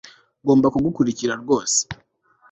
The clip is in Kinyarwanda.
ngomba kukugarukira rwose